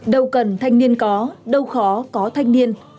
đâu cần thanh niên có đâu khó có thanh niên